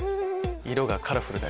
色がカラフルで。